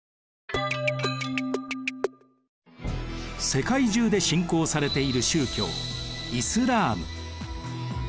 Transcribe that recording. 世界中で信仰されている宗教イスラーム。